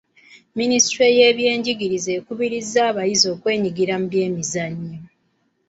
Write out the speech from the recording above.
Ministule y'ebyenjigiriza ekubirizza abayizi okwenyigira mu by'emizannyo.